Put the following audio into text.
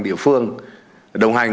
địa phương đồng hành